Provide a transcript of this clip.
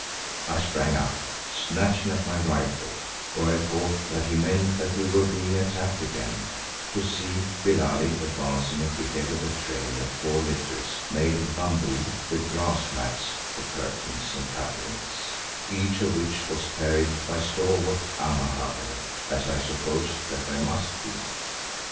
I sprang up, snatching at my rifle, for I thought that he meant that we were being attacked again, to see Billali advancing at the head of a train of four litters made of bamboo with grass mats for curtains and coverings, each of which was carried by stalwart Amahagger, as I supposed that they must be.